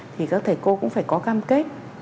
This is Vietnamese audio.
thì các thầy cô cũng phải có cam kết